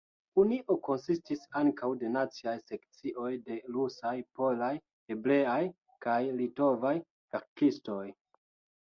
Unio konsistis ankaŭ de naciaj sekcioj de rusaj, polaj, hebreaj kaj litovaj verkistoj.